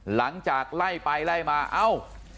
หลังจากไล่ไปไล่มาเอ้า